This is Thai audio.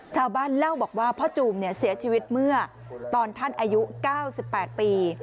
ชาวบ้านเล่าบอกว่าพ่อจูมเสียชีวิตเมื่อตอนท่านอายุ๙๘ปี